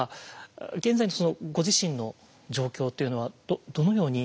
現在のご自身の状況というのはどのように見てらっしゃるんですか？